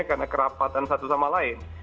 karena kerapatan satu sama lain